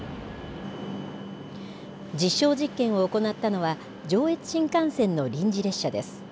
実証実験を行ったのは上越新幹線の臨時列車です。